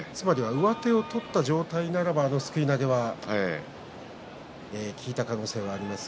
上手を取った状態ならばすくい投げは効いた可能性があります。